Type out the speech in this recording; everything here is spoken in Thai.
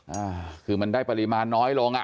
อ่าคือมันได้ปริมาณน้อยลงอ่ะ